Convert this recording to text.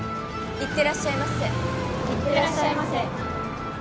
いってらっしゃいませ。